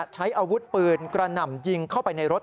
ใช้อาวุธปืนกระหน่ำยิงเข้าไปในรถ